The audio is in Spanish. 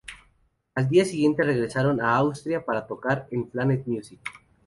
Al día siguiente regresaron a Austria para tocar en Planet Music.